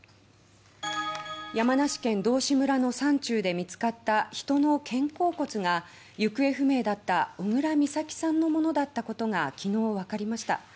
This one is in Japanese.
山梨県道志村の山中で見つかった人の肩甲骨が行方不明だった小倉美咲さんのものだったことが昨日、わかりました。